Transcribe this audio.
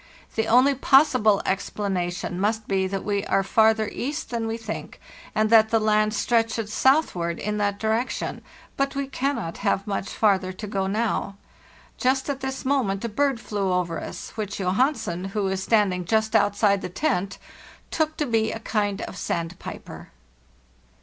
The only possible explanation must be that we are farther east than we think, and that the land stretches southward in that direction; but we cannot have much farther to go now. Just at this moment a bird flew over us, which Johansen, who is standing just outside the tent, took to be a kind of sandpiper.